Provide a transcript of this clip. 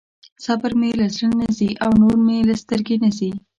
صبر مې له زړه نه ځي او نور مې له سترګې نه ځي.